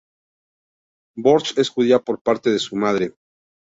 Burch es judía por parte de su madre.